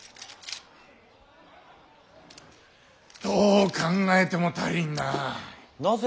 どう考えても足りんな。